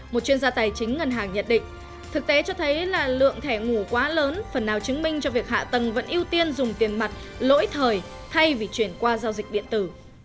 một chuyên gia tài chính ngân hàng nhận định thực tế cho thấy là lượng thẻ ngủ quá lớn phần nào chứng minh cho việc hạ tầng vẫn ưu tiên dùng tiền mặt lỗi thời thay vì chuyển qua giao dịch điện tử